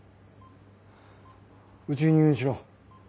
うちに入院しろ。